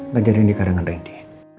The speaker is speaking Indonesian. gak jadi yang dikarenakan rendy